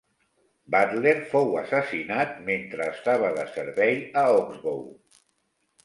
Butler fou assassinat mentre estava de servei a Oxbow.